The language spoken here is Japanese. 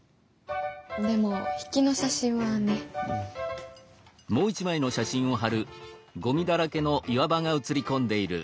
でも引きの写真はねっ？